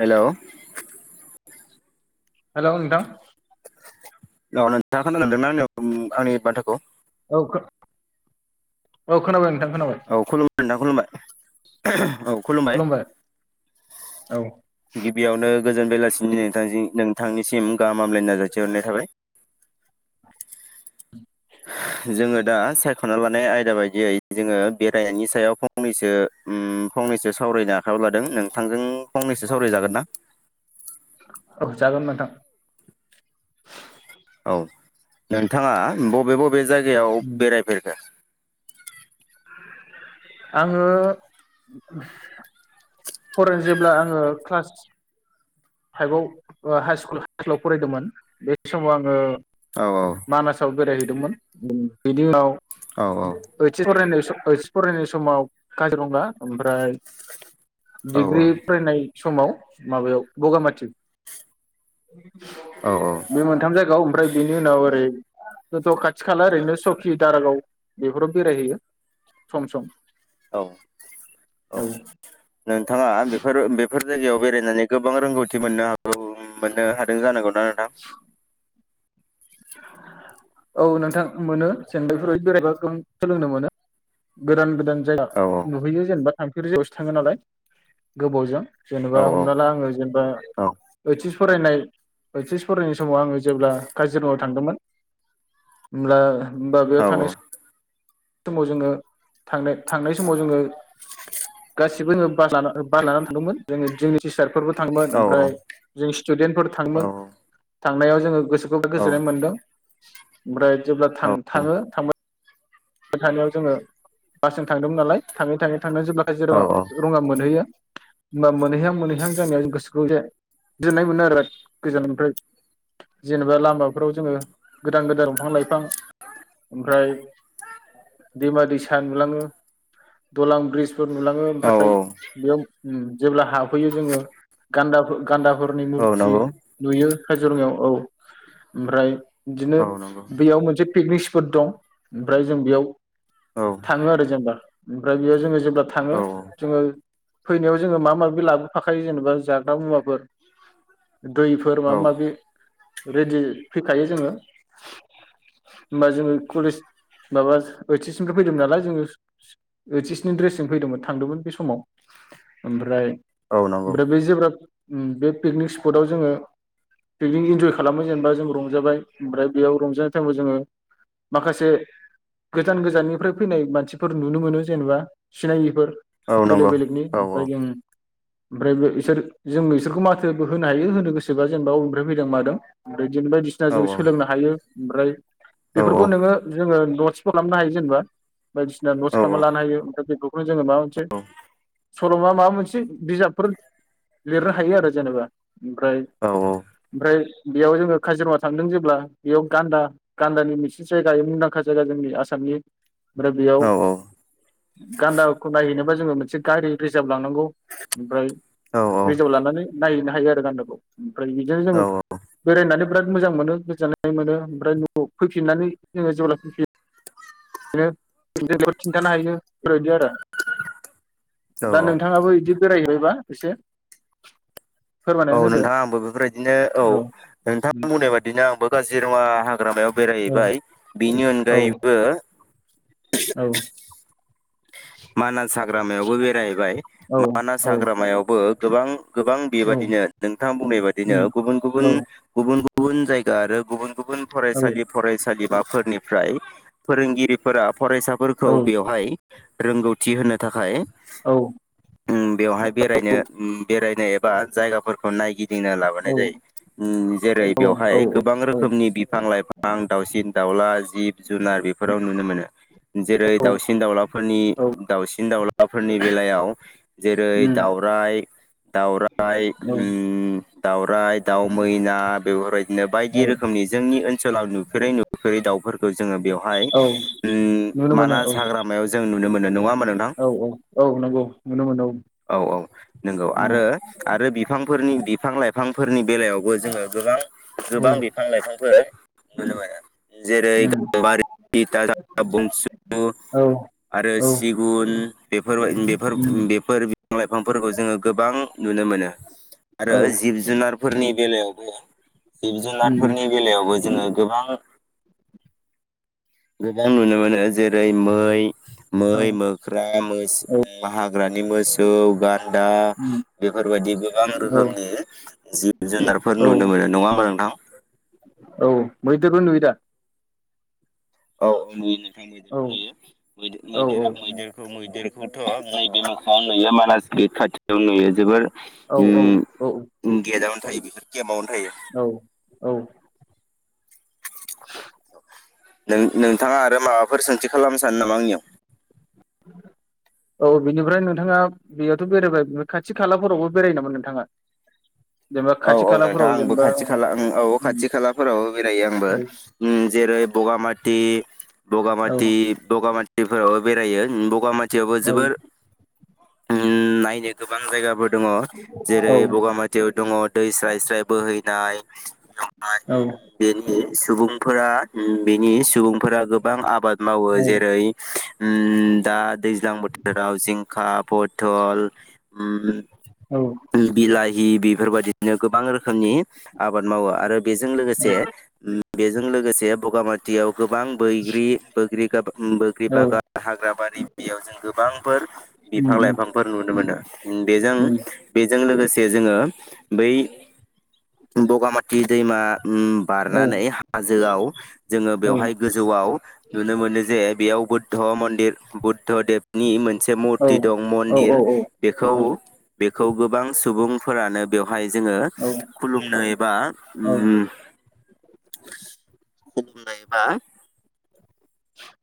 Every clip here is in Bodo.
हेल' हेल' नोंथां औ नोंथाङा [unintelligible] आंनि [unintelligible] औ औ खोनाबाय खोनाबाय औ खुलुमबाय नोंथां खुलुमबाय [inaudible] औ खुलुमबाय औ गिबियावनो गोजोन बेलासिनि नोथांनिसिम नोंथांनिसिम गाहामलायनाय जासिहरनाय थाबाय जोङो दा सायख'ना लानाय आयदा बायदियै जोङो बेरायनायनि सायाव फंनैसो ओम फंनैसो सावरायनो आखायाव लादों नोंथांजों फंनैसो सावरायजागोन ना? औ जागोन नोंथां। औ नोंथाङा बबे बबे जायगायाव बेरायफेरखो? आङो फरायनो जेब्ला आङो क्लास फाइभआव हाइ सकुल स्कुलाव फरायदोंमोन बे समाव आङो औ मानासाव बेराय दोंमोन बेनि उनाव औ ओस एस फरायनाय समा फरायनाय समाव काजिरंङा आमफ्राय औ डिग्रि फरायनाय समाव माबायाव बगा माथि। औ बे मोनथाम जायगायाव ओमफ्राय बेनि उनाव ओरै जथ' खाथि खाला ओरैनो सकि दारागाव बेफोराव बेरायहैयो सम सम। औ औ नोंथाङा बेफोर बेफोर जायगायाव बे बेरायनानै गोबां रोंगौथि मोननो हागौ मोननो हादों जानांगौ ना नोंथां? औ नोंथां मोनो। [unintelligible] सोलोंनो मोनो [unintelligible] गोदान। गोदान जायगा औ नुहैयो जेनेबा थांफेर जायगायावसो थाङो नालाय गोबावजों औ जेनेबा हमना ला आङो जेनेबा औ ओय सेस फरायनाय ओय सेस फरायनाय समाव आङो जेब्ला काजिरङायाव थांदोंमोन होमब्ला होमबा बेयाव थांनायसै। औ समाव जोङो थांनाय थांनाय समाव जोङो गासिबो जोङो बास लानानै थांदोंमोन जोङो जोंनि सिस्टारफोरबो [unintelligible] थांमोन औ ओमफ्राय जों स्टुडेन्टफोर औ थांङोमोन। थांनायाव जोङो गोसोखौबो औ गोजोननाय मोनदों। ओमफ्राय जेब्ला थाङो थांबा बे थांनायाव जोङो बासजों थांदोंमोन नालाय थाङै थाङै थांनानै जेब्ला काजि रङा औ रङा मोनहैयो [unintelligible] होमबा मोनहैहां मोनहैहां जानायाव गोसोखौ गोजोननाय मोनो आरो गोजान ओमफ्राय जेनेबा लामाफोराव जोङो गोदान गोदान दंफां लाइफां ओमफ्राय दैमा-दैसा नुलाङो दलां ब्रिजफोर नुलाङो औ ओमफ्राय बेयाव जेब्ला हाबहैयो जोङो गान्दा गान्दाफोर नि औ मुुरथि नंगौ नुयो। काजिरङायाव औ ओमफ्राय बिदिनो औ नंगौ बेयाव मोनसे पिकनिक स्पट दं। ओमफ्राय जों बेयाव औ थाङो आरो जेनेबा ओमफ्राय बेयाव जोङो जेब्ला थाङो औ जोङो फैनायाव जोङो माबा माबि लाबोफाखायो जेनेबा जाग्रा मुवाफोर दैफोर माबा औ माबि रेडि फैखायो जोङो होमबा जोङो कलेज माबा ओइच एसनिफ्राय फैदोंमोन नालाय जोङो ओइच एसनि ड्रेसजों फैदोंमोन थांदोंमोन बे समाव ओमफ्राय औ नंगौ [unintelligible] उम बे पिकनिक स्पटाव जोङो पिकनिक इन्जय खालामो जेनेबा जों रंजाबाय ओमफ्राय बेयाव रंजानाय टाइमाव जोङो माखासे गोजान गोजाननिफ्राय फैनाय मानसिफोर नुनो मोनो जेनेबा सिनायिफोर। औ बेलेग नंगौ बेलेगनि। औ औ ओमफ्राय जों ओमफ्राय बिसोर जों बिसोरखौ माथो होनो हायो होनो गोसोबा जेनेबा बबेनिफ्राय फैदों मादों। आरो बिदिनो बायदिसिना जों सोलोंनो हायो [unintelligible] ओमफ्राय औ बेफोरखौ नोङो जोङो नटसबो खालामनो हायो जेनेबा बायदिसिना नटस खालामना लानो हायो ओमफ्राय बेफोरखौनो जोङो माबा मोनसे सल'मा माबा मोनसे बिजाबफोर लिरनो हायो आरो जेनेबा ओमफ्राय ओमफ्राय बेयाव जोङो काजिरङा थांदों जेब्ला बेयाव गान्दा गान्दानि मोनसे जायगा इयो मुंदांखा काजिरङाया जोंनि आसामनि ओमफ्राय बेयाव गान्दाखौ नायहैनोबा जोङो मोनसे गारि रिजार्भ लांनांगौ ओमफ्राय रिजार्भ लानानै नायहैनो हायो आरो गान्दाखौ ओमफ्राय बिदिनो जोङो औ बेरायनानै बिराद मोजां मोनो गोजोननाय मोनो ओमफ्राय न'आव फैफिननानै जोङो जेब्ला [unintelligible] [unintelligible] खिन्थानो हायो इफोरबायदि आरो औ दा औ औ नोंथाङाबो इदि बेरायहैबायबा एसे फोरमायनानै औ होदो नोंथाङा आंबो बेफोरबायदिनो औ नोंथां बुंनाय बायदिनो आंबो काजिरङा हा ग्रामायाव औ बेरायहैबाय बिनि औ अनगायैबो औ मानास हाग्रामायावबो बेरायहैबाय औ मानास हाग्रामायावबो गोबां गोबां औ बेबायदिनो नोंथां बुंनाय बायदिनो उम गुबुन औ गुबुन गुबुन गु बुन जायगा आरो गुबुन गुबुन औ फरायसालि फरायसालि बा फोरनिफ्राय फोरोंगिरिफोरा फरायसाफोरखौ औ बेवहाय ए रोंगौथि होनो थाखाय औ उम बेवहाय बेरायनो उम बेराय नो एबा जायगाफोरखौ नायगि दिंना लाबोनाय औ जायो उम जेरै- औ बेवहाय गोबां रोखोमनि बिफां लाइफां दावसिन दाउला जिब जुनार बेफोराव नुनो मोनो जेरै- दाउसिन दावउलाफोरनि दाावसिन दाउलाफोरनि बेलायाव जेरै- उम दाउराय दाउरा आइ उम दावराय दाउ मैना बेफोरबायदिनो औ बायदि रोखोमनि जोंनि ओनसोलाव नुफेरै नुफेरै दाउफोर खौ जोङो बेयाव हाय औ उम नुनो मोनो औ मानास हाग्रामायाव जों नु नो नङा [unintelligible] औ औ औ नंगौ नुनो मोनो औ औ औ नंगौ उम आरो आरो बिफांफोरनि बिफां लाइफांफोरनि बेलायावबो जोङो गोबां गोबां उम बिफां लाइफां बो नुनो मोनो। जेरै उम गामबारि बनसु औ आरो उम सिगुन बेफोरबाय बेफोर बेफोर लाइफांफोरखौ जोङो गोबां नुनो मोनो औ आरो जिब जुनारफोरनि बेलायावबो जिब उम जुननाफोरनि बेलायावबो जोंओ गोबां गोबां नुनो मोनो जेरै मै औ मै मोख्रा मस औ हाग्रानि मोसौ गान्दा उम बेफोरबायदि गोबां औ रोखोमनि जिब जुनारफोर औ नुनो मोनो नङा होमा नोंथां। औ मैदेरखौ नुयोदा। औ नुयो। गोबां औ मैदेरबो नुयोै औ औ मैदेरा मैदेरखौ मैदेर नाथाय नैबे मोखङाव नुयो मानास गेट खाथियाव नुयो जोबोर औ औ उम गेदाव थायो बेफोर के माव औ। औ। नों नोंथाङा आरो माबाफोर सोंथि खालामनो सानो नामा आंनियाव औ बेनिफ्राय नोंथाङा बेयावथ बेरायबाय खाथि खालाफोरावबो बेरायायो नामा नोंथाङा। जेनेबा औ खाथि औ नोंथां खालाफोराव आंबो जेनेबा औ खाथि खाला उम औ खाथि खालाफोरावबो बेरायो आंबो उम जेरै बगामाटि बगा औ माटि दगा माथ टिफोराबो बेरायो बगाम मा टियावबो जोबोर उम नायनो गोबां जायगा बोद दङ जेरै औ बगामाथियाव दङ। स्राय स्राय बोहैनाय औ आरो बेनि सुबुं फोरा बेनि सुबुंफोरा गोबां आबाद मावो औ जेरै उ दा दैज्लां बोथोराव जिंखा पथल उम औ बिलाइ दि बेफोरबादि बि गोबां रोखोमनि आबाद मावो आरो। बेजों लोगोसे बेजों लोगोसे बगामाट दियाव गोबां बैग्रि बोग्रि गोब बैग्रि औ बागान हाग्रा बारि बेयाव जों गोबांफोर उम बिफां लाइफांफोर नुनो मोनो। बेजों उम बे जों लोगोसे जोङो बै बगामाथि दैमा उम औ बारनानै हाजोआव जोङो औ बेवहाय गोजौआव नुनो मोनो जे बेयाव बुद्ध मन्दिर बुद्धदेबनि मोन मोनसे औ मुरथि दं मन्दिर औ बेखौ औ बे खौ गोबां सुबुंफोरानो फाय जोङो औ खुलुमनो एबा औ नायबा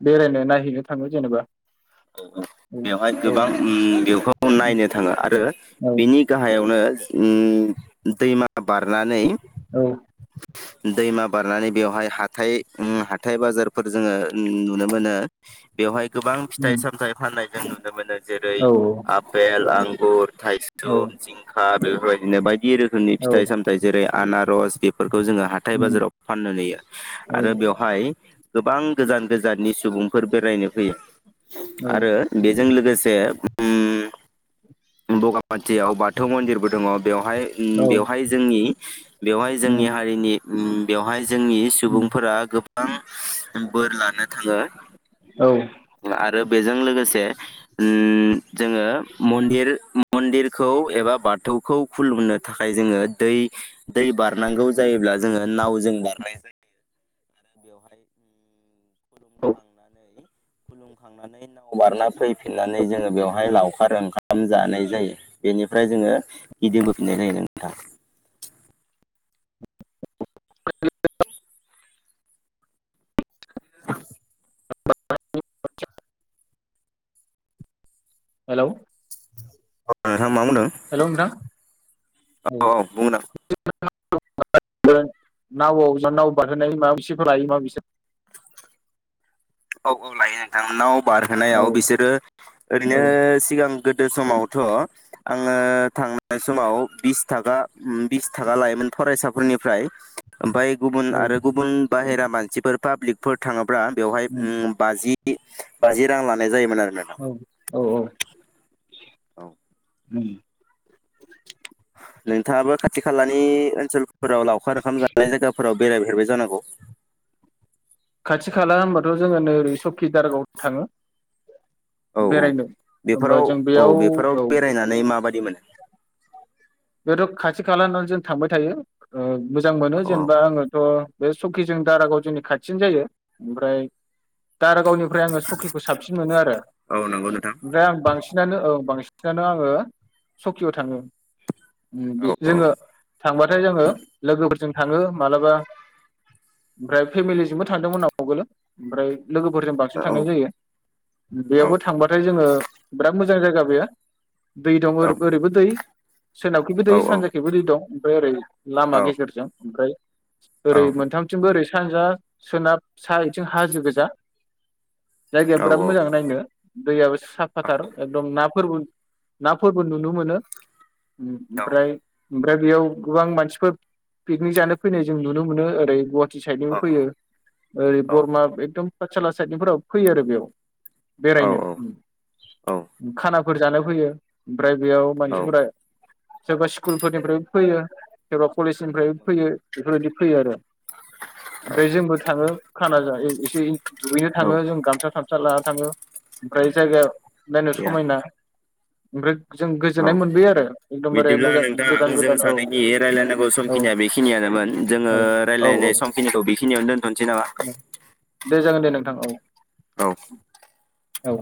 बेरायनो नायहैनो थाङो जेनेबा औ बेवहाय औ गोबां बेखौ नायनो थाङो आरो औ बिनि गाहायावनो उम दैमा बार रानानै औ दैमा बारनानै बेवहाय हाथाय ओम हाथाय ओम हाथाय बाजारफोर जोङो नुनो मोनो बेवहाय गोबां उम फिथाय सामथाय फाननाय जोंङो नुनो मोनो जेरै औ आफेल आंगुर औ थाइसुम जिंखा बेफोरबायदिनो बायदि रोखोमनि औ फिथाइ सामथायाइ जेरै आनारस बेफोरखौ जोङो हाथाय उम बाजाराव फाननो नुयो आरो औ बेवहाय गोबां गोजान गोजाननि सुबुंफोर बेरायनो फैयो। औ आरो बेजों लोगोसे [unintelligible] बगामाथियाव बाथौ मन्दिरबो दङ। बेहाय औ ओम बेवहाय जोंनि बेवहाय जोंनि उम हारिनि बेवहाय जोंनि उम सुबुंफोरा गोबां बोर लानो थाङो। औ आरो बेजों लोगोसे ओम जोङो मन्दिर मन्दिरखौ एबा बाथौखौ खुलुमनो थाखाय जोङो दै दै बारनांगौ जायोब्ला जोङो नावजों बारनाय जायो आरो बेवहाय औ। खुलुमखांनानै खुलुमखांनानै नाव बारना फै फिननानै जोङो बेवहाय लाव खार ओंखाम जानाय जायो बेनिफ्राय जोङो गिदिंबोफिननाय जायो नों नोंथाङा [inaudible] [unintelligible] हेलौ, नोंथां मा बुंदों हेलौ नोंथां औ औ बुं नोंथा। [unintelligible] नावआव नाव बारहोनाय माबा बिसेफोर लायो माबा बिसोर औ औ लायो नोंथांमोननाव औ बारहोनायाव बिसोरो ओरैनो औ सिगां गोदो समावथ' आङो थांनाय समाव बिस थागा बिस थागा लायोमोन फरायसाफोरनिफ्राय। ओमफाय गुबुन औ आरो गुबुन बाहेरा मानसिफोर पाब्लिकफोर थाङोब्रा उम बाजि [unintelligible] बाजि रां लानाय जायोमोन आं। औ औ औ। [inaudible] औ। [inaudible] नोंथाङाबो खाथि खालानि ओनसोलफोराव लावखार ओंखाम जानाय जायगाफोराव बेरायफेरबाय जानांगौ। खाथि खाला होनबाथ' जोङो नै ओरै सकि दारागाव थाङो। औ औ बेरायनो होमबा बेफोराव जों औ बेयाव बेफोराव औ बेरायनानै माबा दि मोनो? बेथ' खाथि खाला ना जों थांबाय थायो। ओ मोजां मोनो औ औ जेनबा आङोथ' बे सकिजों दारागाव जोंनि खाथियानो जायो। ओमफ्राय दारागावनिफ्राय आङो सकिखौ साबसिन मोनो आरो औ नंगौ नोंथां ओमफ्राय आं बांसिनानो बांसिन [unintelligible] आङो सकियाव थाङो। उम बि औ जोङो औ थांबाथाय जोङो लोगोफोर जों थाङो मालाबा ओमफ्राय फेमिलिजोंबो थांदोंमोन आं आवगोलो ओमफ्राय लोगोफोरजों बांसिन औ थांनाय जायो। औ बेयावबो थांबाथाय जोङो बिराद मोज जां जायगा बेयो दै दं औ ओरोब-ओरैबो दै। सोनाबखिबो दै औ सानजाखैबो दै दं। फ्राय ओरै लामा औ गेजेरजों ओमफ्राय ओरै औ मोनथामथिंबो ओरै सानजा सोनाब सा इथिं हाजो गोजा जायगाया बिराद मोजां नायनो दैयाबो साफाथार एखदम ना फोरबो ना फोरबो नुनो मोनो। ओमफ्राय ओमफ्राय बेयाव गोबां मानसिफोर पिकनिक जानो फैनाय जों नुनो मोनो ओरै गवा टि साइदनिबो फैयो। ओरै बरमा एकदम पाठसाला साइडनिफोराबो फैयो आरो बेयाव। बेरायनो खाना फोर जानो फैयो ओमफ्राय बेयाव औ मानसिफोरा सोरबा स्कुलफोरनिफ्राय फैयो सोरबा कलेजनिफ्राय फैयो बेफोरबायदि फैयो आरो ओमफ्राय जोंबो थाङो। खान ज एसे दुगैनो थाङो औ जों गामसा थामसा ला थाङो ओमफ्राय जायगा नायनो गैया समायना ओमफ्राय जों औ गोजोननाय मोनबोयो आरो एकदमबारे बिदिब्ला मोजां नोंथां गोदान जों गोदान औ सानैनि रायलायनांगौ औ समखिनिया बेखिनियानोमोन जोङो औ औ औ रायजलायनाय समखिनिखौ बेखिनियावनो दोनथनोसै नामा? औ दे जागोन दे नोंथां औ औ औ